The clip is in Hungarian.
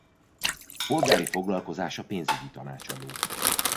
Polgári foglalkozása pénzügyi tanácsadó.